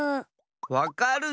「わかる！」